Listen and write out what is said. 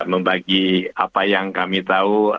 membagi apa yang kami tahu